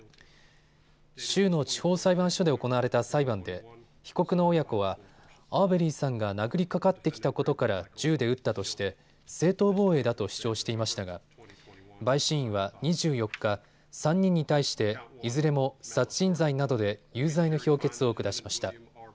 州の地方裁判所で行われた裁判で被告の親子はアーベリーさんが殴りかかってきたことから銃で撃ったとしたとして正当防衛だと主張していましたが陪審員は２４日、３人に対していずれも殺人罪などで有罪の評決を下しました。